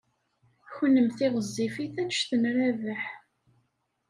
Kennemti ɣezzifit anect n Rabaḥ.